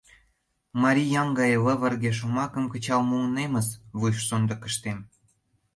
Марий ям гае лывырге шомакым Кычал мунемыс вуй сондыкыштем.